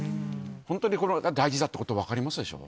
本当にこれは大事だっていうこと、分かりますでしょう。